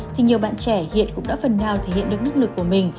thì nhiều bạn trẻ hiện cũng đã phần nào thể hiện được năng lực của mình